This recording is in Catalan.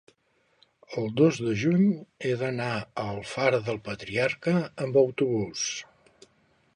El dos de juny he d'anar a Alfara del Patriarca amb autobús.